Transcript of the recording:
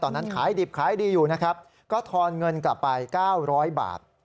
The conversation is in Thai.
ขายดิบขายดีอยู่นะครับก็ทอนเงินกลับไป๙๐๐บาท